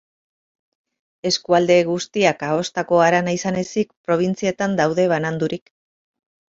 Eskualde guztiak Aostako Harana izan ezik probintzietan daude banandurik.